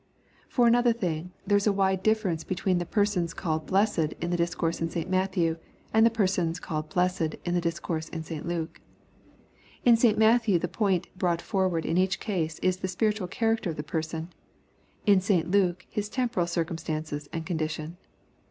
For another thing, there is a wide difference between the persons called " blessed" in the discourse in St Matthew, and the persons called "blessed" in the discourse in St Luke. In St Matthew the pomt brought forward in each case is the spiritual character of the person, in St Luke his temporal circumstances and condition.